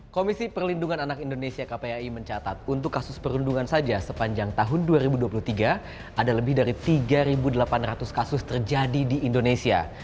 komisi perlindungan anak indonesia kpai mencatat untuk kasus perundungan saja sepanjang tahun dua ribu dua puluh tiga ada lebih dari tiga delapan ratus kasus terjadi di indonesia